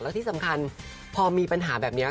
แล้วที่สำคัญพอมีปัญหาแบบนี้